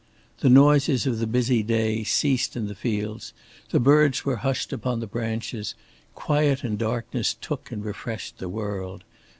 The noises of the busy day ceased in the fields, the birds were hushed upon the branches, quiet and darkness took and refreshed the world.